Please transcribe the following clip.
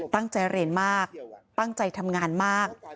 ตั้งใจเรียนมากตั้งใจทำงานมาก